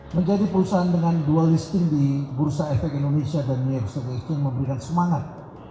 menjadi perusahaan dengan dual listing di bursa efek indonesia dan new yorkstu listing memberikan semangat